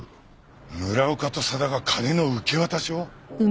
村岡と佐田が金の受け渡しを！？